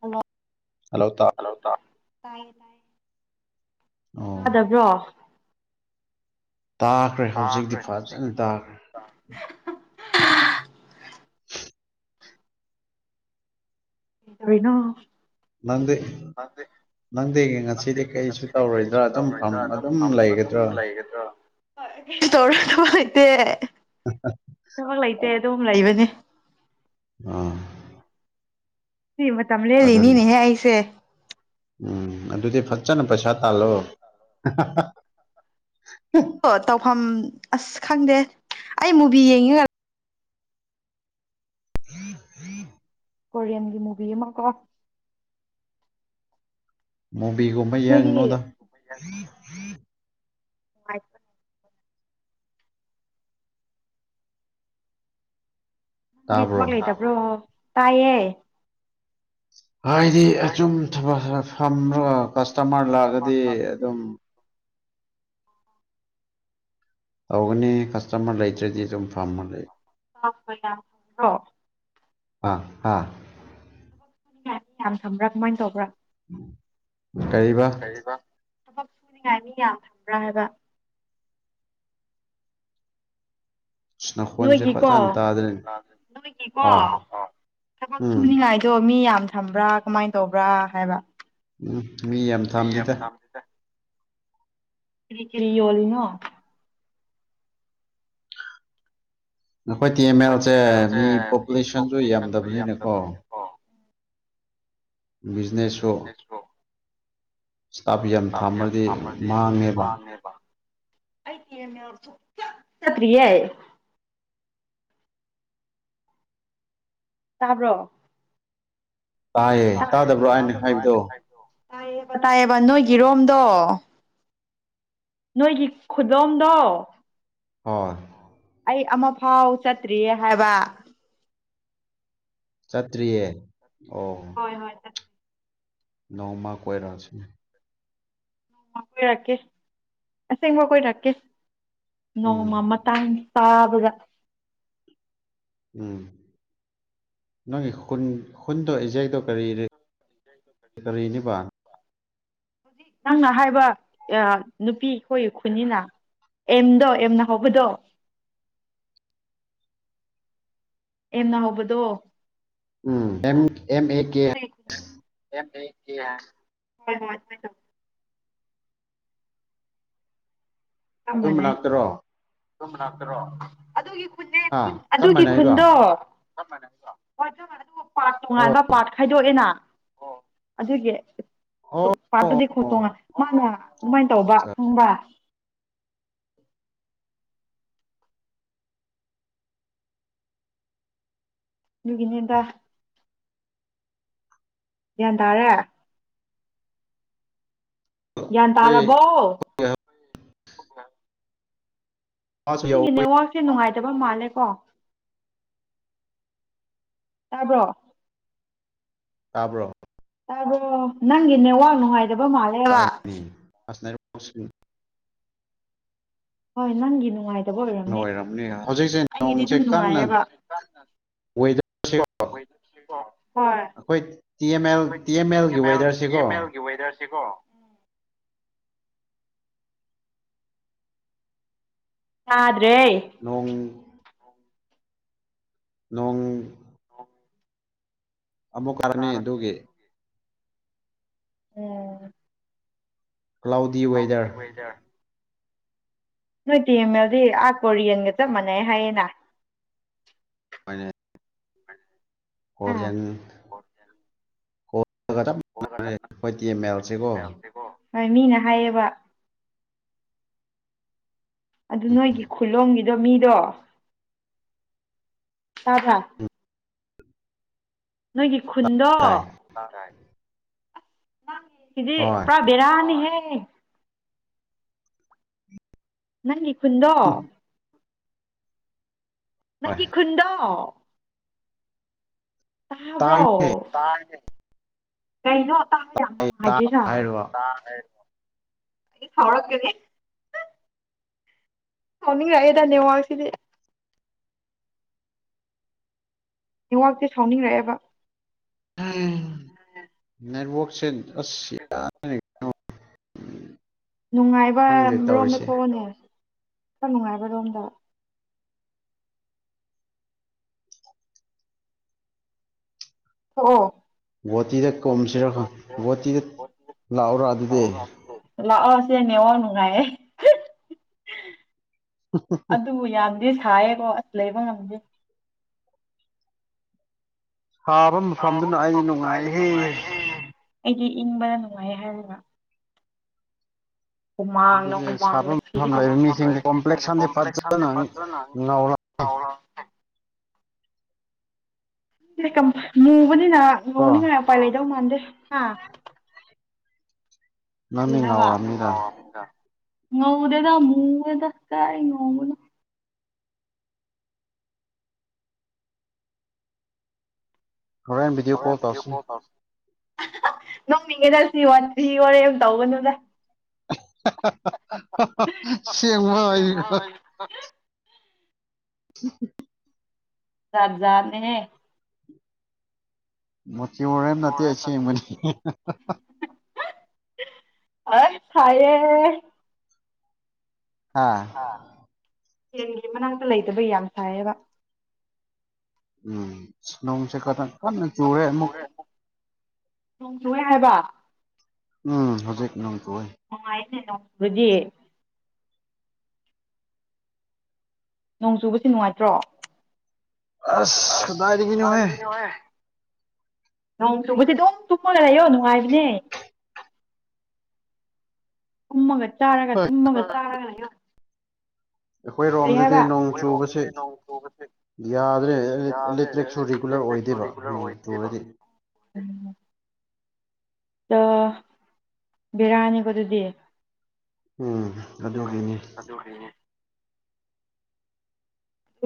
hello ꯍꯂꯥꯎ ꯇꯥ ꯇꯥꯏꯌꯦ ꯇꯥꯏꯌꯦ ꯑꯣ ꯇꯥꯗꯕ꯭ꯔꯣ ꯇꯥꯈ꯭ꯔꯦ ꯍꯧꯖꯤꯛꯇꯤ ꯐꯖꯅ ꯇꯥꯈ꯭ꯔꯦ ꯀꯔꯤ ꯇꯧꯔꯤꯅꯣ ꯅꯪꯗꯤ ꯅꯪꯗꯤ ꯉꯁꯤꯗꯤ ꯀꯩꯁꯨ ꯉꯁꯤꯗꯤ ꯇꯧꯔꯣꯏꯗ꯭ꯔꯥ ꯀꯔꯤꯁꯨ ꯑꯗꯨꯝ ꯐꯝ ꯇꯧꯔꯣꯏꯗ ꯑꯗꯨꯝ ꯑꯗꯨꯝ ꯂꯩꯒꯗ꯭ꯔꯥ ꯂꯩꯒꯗ ꯊꯕꯛ ꯂꯩꯇꯦ ꯑꯗꯨꯝ ꯂꯩꯕꯅꯦ ꯑꯝ ꯁꯤ ꯃꯇꯝ ꯂꯦꯜꯂꯤꯅꯤꯅꯦꯍꯦ ꯑꯩꯁꯦ ꯎꯝ ꯑꯗꯨꯗꯤ ꯐ ꯐꯆꯅ ꯄꯩꯁꯥ ꯇꯥꯜꯂꯣ ꯑꯍꯥꯍꯥ ꯑꯗꯣ ꯇꯧꯐꯝ ꯑꯁ ꯈꯪꯗꯦ ꯑꯩ ꯃꯨꯚꯤ ꯌꯦꯡꯉꯤ [unintelligible] ꯀꯣꯔꯤꯌꯟꯒꯤ ꯃꯨꯚꯤ ꯑꯃ ꯀꯣ ꯃꯨꯕꯤꯒꯨꯝꯕ ꯅꯣꯏꯒꯤ ꯌꯦꯡꯒꯅꯨꯗ ꯑꯟꯏꯟꯇꯦꯜꯂꯤꯖꯦꯕꯜ ꯅꯪ ꯗꯤ ꯇꯥꯕ꯭ꯔꯣ ꯊꯕꯛ ꯂꯩꯇꯕ꯭ꯔꯣ ꯇꯥꯏꯌꯦ ꯍꯥꯏꯗꯤ ꯑꯆꯨꯝ ꯊꯕꯛ ꯈꯔ ꯐꯝꯃꯒ ꯀꯁꯇꯃꯔ ꯂꯥꯛꯑꯗꯤ ꯑꯗꯨꯝ ꯇꯧꯒꯅꯤ ꯀꯁꯇꯃꯔ ꯂꯩꯇ꯭ꯔꯗꯤ ꯑꯗꯨꯝ ꯐꯝꯃ ꯂꯩ ꯑꯟꯏꯟꯇꯦꯜꯂꯤꯖꯦꯕꯜ ꯑꯥ ꯍꯥꯥ ꯁꯨꯅꯤꯡꯉꯥꯏ ꯌꯥꯝ ꯊꯝꯕ꯭ꯔꯥ ꯀꯃꯥꯏꯅ ꯇꯧꯕ꯭ꯔꯥ ꯀꯔꯤꯕ ꯊꯕꯛ ꯁꯨꯅꯤꯉꯥꯏꯅꯤ ꯌꯥꯝ ꯐꯕ꯭ꯔꯥ ꯍꯥꯏꯕ ꯑꯁ ꯅꯈꯣꯟꯁꯦ ꯅꯣꯏꯒꯤꯀꯣ ꯐꯖꯅ ꯇꯥꯗ꯭ꯔꯦꯅꯦ ꯅꯣꯏꯒꯤꯀꯣ ꯑꯥ ꯊꯕꯛ ꯎꯝ ꯁꯨꯅꯤꯉꯥꯏꯗꯣ ꯃꯤ ꯌꯥꯝ ꯊꯝꯕ꯭ꯔꯥ ꯀꯃꯥꯏꯅ ꯇꯧꯕ꯭ꯔꯥ ꯍꯥꯏꯕ ꯎꯝ ꯃꯤ ꯌꯥꯝ ꯊꯥꯝꯗꯤꯦꯗ ꯀꯤꯔꯤ ꯀꯦꯔꯤ ꯌꯣꯜꯂꯤꯅꯣ ꯅꯈꯣꯏ ꯇꯤ ꯑꯦꯝ ꯑꯦꯜꯁꯦ ꯃꯤ ꯄꯣꯄꯨꯂꯦꯁꯟꯁꯨ ꯌꯥꯝꯗꯕꯅꯤꯅꯀꯣ ꯕꯤ ꯕꯤꯅꯦꯁꯣ ꯏꯁꯇꯥꯞ ꯌꯥꯝ ꯊꯥꯝꯃꯗꯤ ꯃꯥꯡꯉꯦꯕ ꯁꯇ꯭ꯔꯤꯌ ꯍꯥꯏ ꯇꯥꯕ꯭ꯔꯣ ꯇꯥꯏꯌꯦ ꯇꯥꯗꯕ꯭ꯔꯣ ꯑꯅ ꯍꯥꯏꯕꯗꯣ ꯇꯥꯏꯌꯦꯕ ꯇꯥꯏꯌꯦꯕ ꯅꯣꯏꯒꯤꯔꯣꯝꯗꯣ ꯅꯣꯏꯒꯤ ꯈꯨꯂꯣꯝꯗꯣ ꯍꯣꯏ ꯑꯩ ꯑꯃ ꯐꯥꯎ ꯆꯠꯇ꯭ꯔꯤꯌꯦ ꯍꯥꯏꯕ ꯠꯇ꯭ꯔꯤꯌꯦ ꯑꯣ ꯍꯣꯏ ꯍꯣꯏ ꯆꯠꯁꯦ ꯅꯧ ꯃꯥ ꯀꯣꯏ ꯔꯁꯤ ꯀꯣꯏꯔꯛꯀꯦ ꯑꯁꯦꯡꯕ ꯑꯩ ꯀꯣꯏꯔꯛꯥꯛꯀꯦ ꯎꯝ ꯅꯣꯡꯃꯃ ꯇꯥꯡ ꯄꯕꯒ ꯎꯝ ꯅꯪꯒꯤ ꯈꯨꯟ ꯈꯨꯟꯗꯣ ꯑꯦꯖꯦꯛꯇꯣ ꯀꯔꯤ ꯀꯔꯤꯅꯦ ꯄ ꯍꯧꯖꯤꯛ ꯅꯪꯅ ꯍꯥꯏꯕ ꯅꯨꯄꯤꯈꯣꯏ ꯈꯨꯅꯤꯅ ꯑꯦꯝꯗꯣ ꯑꯦꯝꯅ ꯍꯧꯕꯗꯣ ꯑꯦꯝꯅ ꯍꯧꯕꯗꯣ ꯎ ꯑꯦꯝ ꯑꯦ ꯀꯦ ꯍ ꯑꯗꯨꯝ ꯂꯥꯛꯇ꯭ꯔꯣ ꯔꯣ ꯑꯗꯨꯒꯤ ꯈꯨꯟ ꯍꯥ ꯆꯞ ꯑꯗꯨꯒꯤ ꯃꯥꯟꯅꯩꯕ ꯈꯨꯟꯗꯣ ꯖ ꯄꯥꯔꯠ ꯑꯣ ꯅꯨꯡꯉꯥꯏ ꯄꯔꯠ ꯈꯥꯏꯗꯣꯛꯑꯦꯅ ꯑꯗꯨꯒꯤ ꯑꯣ ꯑꯣ ꯄꯥꯔꯠꯇꯨꯗꯤ ꯈꯣꯡꯠꯇꯣꯡꯉ ꯑꯣ ꯃꯥꯅ ꯀꯃꯥꯏꯅ ꯇꯧꯕ ꯐꯪꯕ ꯌꯒꯅꯦꯗ ꯌꯥꯟ ꯇꯥꯔꯦ ꯒ꯭ꯌꯥꯟ ꯑꯩꯈꯣꯏ ꯇꯥꯔꯕꯣ ꯃꯥꯁꯨ ꯅꯪꯅꯦ ꯌꯧꯋꯤ ꯋꯥꯁꯦ ꯅꯨꯡꯥꯏ ꯑꯦꯕ ꯃꯥꯅꯦꯦ ꯀꯣ ꯇꯥꯕ꯭ꯔꯣ ꯇꯥꯕ꯭ꯔꯣ ꯑꯣ ꯅꯪ ꯏ ꯅꯦ ꯋꯥꯅꯨꯡꯣ ꯍꯥꯏ ꯑꯗꯨꯕ ꯃꯂ ꯋꯥ ꯍꯥꯁꯅꯔ ꯃꯁ ꯍꯣꯏ ꯅꯪꯒꯤꯅꯣꯥꯏ ꯑꯣꯏꯔꯝ ꯑꯣꯏꯔꯝꯅꯤ ꯍꯧꯖꯤꯛꯁꯦ ꯅꯣꯡꯁꯦ ꯑꯩꯒꯤꯗꯤꯝ ꯀꯟꯅ ꯅꯨꯡꯉꯥꯏꯕ ꯊꯕ ꯋꯦꯗꯔꯁꯤꯀꯣ ꯑꯩꯈꯣꯏ T M L T M ꯑꯦꯜꯒꯤ ꯋꯦꯗꯔꯁꯤꯀꯣ ꯑꯥꯗ ꯅꯣꯡ ꯅꯣꯡ ꯑꯣ ꯑꯕꯣ ꯀꯅꯦꯗꯒꯦ ꯎꯝ ꯀ꯭ꯂꯥꯎꯗꯤ ꯋꯦꯗꯔ ꯅꯣꯏ ꯇꯤꯃꯦꯗꯤ ꯑꯥ ꯀꯣꯔꯤꯌꯦꯟꯒ ꯆꯞ ꯃꯥꯟꯅꯩ ꯍꯥꯏꯌꯦꯅ ꯐꯅꯦ ꯀꯣꯔꯤꯌꯟ ꯀꯣꯏ ꯇ ꯃꯜꯁꯤꯦꯀꯣ ꯍꯣꯏ ꯃꯤꯅ ꯍꯥꯏꯌꯦꯕ ꯑꯗꯨ ꯅꯣꯏꯒꯤ ꯈꯨꯂꯣꯝꯒꯤꯗꯣ ꯃꯤꯗꯣ ꯆꯥꯕ꯭ꯔꯥ ꯅꯒꯤ ꯈꯨꯨꯟꯗ ꯇꯥꯏ ꯅꯪ ꯏꯗꯤ ꯍꯣꯏ ꯄꯨꯔꯥ ꯦꯔ ꯍꯅꯤꯍꯦ ꯍ ꯅꯪ ꯍꯟꯗ ꯍꯣꯏ ꯅꯪꯒꯤ ꯈꯨꯟꯗꯣ ꯇꯥꯏꯅꯦ ꯕ꯭ꯔꯣ ꯀꯩꯅꯣ ꯇꯥꯕ ꯌꯥꯝ ꯇꯥꯏ ꯍꯥꯏꯗꯣꯏꯔ ꯍꯥꯏꯔꯤꯕ ꯑꯩ ꯐꯧꯔꯒꯒꯅꯤ ꯇꯥꯎꯅꯤꯡꯉꯛꯑꯦꯗꯅꯦꯦꯋꯥꯁꯤꯗꯤ ꯍꯋꯥꯛꯇꯤ ꯁꯥꯎꯅꯤꯡꯔꯛꯑꯦꯕ ꯅꯦꯠꯋꯁ ꯑꯁ ꯌꯥ ꯅꯨꯡꯉꯥꯏꯕ ꯃꯔꯣꯝꯗ ꯊꯣꯛꯂꯛꯅꯦ ꯈꯔ ꯅꯨꯡꯉꯥꯏꯕꯔꯣꯝꯗ ꯑꯣ ꯒꯣꯇꯤꯗ ꯀꯣꯝꯁꯤꯔ ꯒꯣꯇꯤꯗ ꯂꯥꯛꯎꯔꯥ ꯑꯗꯨꯗꯤ ꯂꯥꯛꯑꯣꯁꯦꯅꯦꯋꯥ ꯅꯨꯡꯉꯥꯏꯌꯦꯦ ꯑꯗꯨꯕꯨ ꯌꯥ ꯑꯗꯨ ꯁꯥꯏꯌꯦꯀꯣ ꯑꯁ ꯂꯩꯕ ꯉꯝꯗꯦ ꯁꯥꯕ ꯑ ꯍ ꯃꯐꯝꯗꯨꯅ ꯑꯩꯗꯤ ꯁꯗꯅꯏ ꯅꯨꯡꯉꯥꯏꯍꯦ ꯏꯟꯕꯗꯅꯅꯨꯡꯉꯥꯏ ꯍꯥꯏꯔ ꯍꯨꯃꯥꯡꯅ ꯑꯗꯨꯗꯤ ꯁꯥꯕ ꯍꯨꯃꯥꯡꯅꯤꯂ ꯃꯐꯝ ꯂꯩꯕ ꯃꯤꯁꯤꯡꯗꯤ ꯀꯣꯝꯄ꯭ꯂꯦꯛꯁꯟꯗꯤ ꯀꯝꯄ꯭ꯂꯦꯛꯁ ꯐꯖꯅ ꯐꯠꯇ꯭ꯔ ꯅꯪ ꯉꯧꯔꯀꯣ ꯃꯕꯅꯤ ꯅꯅ ꯉ ꯄ ꯂꯩꯗꯧ ꯃꯗꯦ ꯅꯪꯗꯤ ꯍ ꯉꯥꯎꯔꯝꯅꯤꯗ ꯉꯧꯗꯦꯗ ꯃꯦꯗ ꯀ ꯅꯧꯗ ꯍꯣꯔꯦꯟꯅ ꯤꯗꯤꯑꯣ ꯀꯣꯜ ꯇꯧꯁꯤꯦ ꯅꯣꯡꯅꯤꯡꯉꯗꯁꯤ ꯋꯥꯟ ꯊ꯭ꯔꯤ ꯋꯥꯣꯔꯦ ꯑꯃ ꯇꯧꯒꯅꯨꯗ ꯁꯕꯒ ꯎ ꯆꯠꯖꯥꯅꯤꯅꯦ ꯃ ꯁꯤꯔ ꯅꯠꯇꯁꯤꯃꯅꯤ ꯑ ꯈꯥꯏꯌꯦꯦ ꯍꯥꯥ ꯍꯦꯟꯒꯤ ꯃꯅꯥꯛꯇ ꯂꯩꯇꯕ ꯌꯥꯝ ꯁꯥꯏꯌꯦꯕ ꯎꯝ ꯁꯅꯣꯡꯁꯦ ꯀ ꯀꯟꯅ ꯆꯨꯋꯦ ꯑꯃꯨꯛ ꯅꯣꯡ ꯆꯨꯋꯦ ꯍꯥꯏꯕ ꯎꯝ ꯍꯧꯖꯤꯛ ꯅ ꯀ ꯑꯣꯏꯣꯏ ꯗꯤꯌꯦ ꯅꯣꯡ ꯆꯨꯕꯁꯤ ꯅꯨꯡꯉꯥꯏꯇ꯭ꯔꯣ ꯑꯁꯗꯥꯏꯔꯤꯒꯅꯣꯍꯦ ꯅꯣꯡ ꯇꯨꯕꯗꯤ ꯑꯗꯨꯝ ꯇꯨꯞꯃꯣ ꯂꯩꯔ ꯑꯌꯣ ꯅꯨꯡꯉꯥꯏꯕꯅꯦ ꯀꯨꯝꯃꯒꯅꯤ ꯆꯥꯔꯒ ꯇꯨꯝꯃꯒ ꯆꯥꯔꯒꯅꯤ [unintelligible] ꯑꯩꯈꯣꯏ ꯔꯣꯝꯗꯗꯤ ꯅꯣꯡ ꯆꯨꯕꯁꯦ ꯌꯥꯗ꯭ꯔꯦ ꯏꯂꯦꯛꯇ꯭ꯔꯤꯛꯁꯨ ꯔꯤꯒꯨꯂꯔ ꯑꯣꯏꯗꯦꯕ ꯅꯣꯡ ꯆꯨꯔꯗꯤ ꯑ ꯕꯤꯔꯅꯤꯀꯣ ꯑꯗꯨꯗꯤ ꯎꯝ ꯑꯗꯨꯒꯤꯅꯤ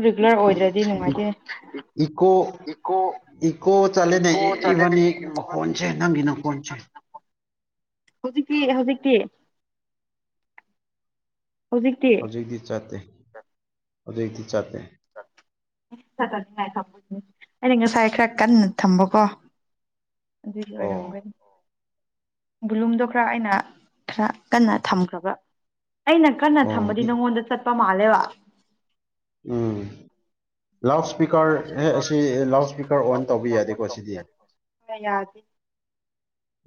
ꯔꯤꯒꯨꯂꯔ ꯑꯣꯏꯗ꯭ꯔꯗꯤ ꯅꯨꯡꯉꯥꯏꯇꯦ ꯏꯀꯣ ꯏꯀꯣ ꯆꯠꯂꯦꯅꯦ ꯏꯕꯥꯅꯤ ꯃꯈꯣꯟꯁꯦ ꯅꯪꯒꯤ ꯅꯈꯣꯟꯁꯦ ꯍꯧꯖꯤꯛꯇꯤ ꯍꯩꯖꯤꯛꯇꯤ ꯍꯧꯖꯤꯛꯇꯤ ꯆꯠꯇꯦ ꯍꯧꯖꯤꯛꯇꯤ ꯆꯠꯇꯦ ꯆꯠꯅꯤꯡꯉꯥꯏ ꯑꯩꯅ ꯉꯁꯥꯏ ꯈꯔ ꯀꯟꯅ ꯊꯝꯕꯀꯣ ꯑꯗꯨꯒꯤ ꯑꯣ ꯑꯣꯏꯔꯝꯒꯅꯤ ꯕꯨꯂꯨꯝꯗꯣ ꯈꯔ ꯑꯩꯅ ꯈꯔ ꯀꯟꯅ ꯊꯝꯈ꯭ꯔꯕ ꯑꯩꯅ ꯀꯟꯅ ꯑꯣ ꯊꯝꯕꯗꯤ ꯅꯪꯉꯣꯟꯗ ꯆꯠ ꯃꯥꯂꯦꯕ ꯎꯝ ꯂꯥꯎꯠ ꯏꯁꯄꯤꯀꯔ ꯑꯁꯤ ꯂꯥꯎꯠ ꯏꯁꯄꯤꯀꯔ ꯑꯣꯟ ꯇꯧꯕ ꯌꯥꯗꯦꯀꯣ ꯁꯤꯗꯤ ꯌꯥꯗꯦ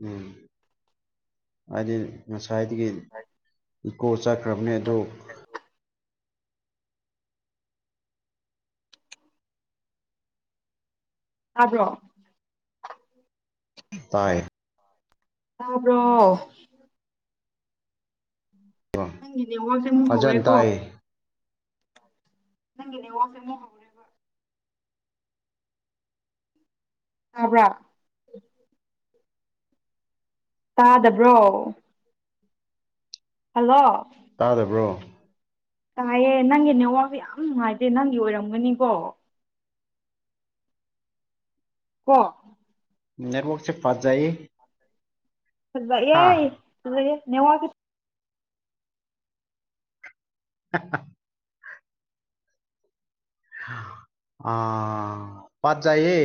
ꯎꯝ ꯍꯥꯏꯗꯤ ꯉꯁꯥꯏꯗꯒꯤ ꯏꯀꯣ ꯆꯠꯈ꯭ꯔꯕꯅꯦ ꯑꯗꯨ ꯇꯥꯕ꯭ꯔꯣ ꯇꯥꯏ ꯇꯥꯕ꯭ꯔꯣ ꯅꯪꯒꯤ ꯅꯦꯠꯋꯥꯛꯁꯦ ꯑꯃꯨꯛ ꯐꯖꯅ ꯍꯧꯔꯦꯀꯣ ꯇꯥꯏ ꯅꯪꯒꯤ ꯅꯦꯠꯋꯥꯛꯁꯦ ꯑꯃꯨꯛ ꯍꯧꯔꯦꯕ ꯇꯥꯕ꯭ꯔꯥ ꯇꯥꯗꯕ꯭ꯔꯣ ꯍꯜꯂꯣ ꯇꯥꯗꯕ꯭ꯔꯣ ꯇꯥꯏꯌꯦ ꯅꯪꯒꯤ ꯅꯦꯠꯋꯥꯛꯁꯦ ꯌꯥꯝ ꯅꯨꯡꯉꯥꯏꯇꯦ ꯅꯪꯒꯤ ꯑꯣꯏꯔꯝꯒꯅꯤꯀꯣ ꯀꯣ ꯅꯦꯠꯋꯥꯛꯁꯦ ꯐꯖꯩ ꯐꯖꯩꯌꯦ ꯍꯥ ꯐꯖꯩꯌꯦ ꯅꯦꯠꯋꯥꯛ [unintelligible] ꯑ ꯐꯖꯩꯌꯦ